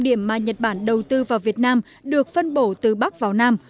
năm điểm mà nhật bản đầu tư vào việt nam được phân bổ từ bắc vào nam